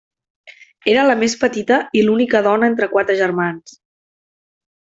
Era la més petita i l'única dona entre quatre germans.